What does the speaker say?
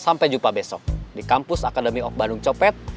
sampai jumpa besok di kampus akademi of bandung copet